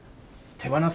手放す？